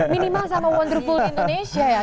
minimal sama wonderful indonesia ya